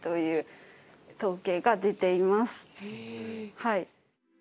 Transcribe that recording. はい。